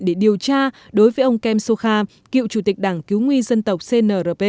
để điều tra đối với ông kem sokha cựu chủ tịch đảng cứu nguy dân tộc cnrp